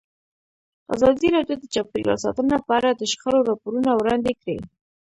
ازادي راډیو د چاپیریال ساتنه په اړه د شخړو راپورونه وړاندې کړي.